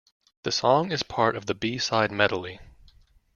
The song is part of the B-side medley.